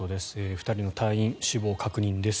２人の隊員、死亡確認です。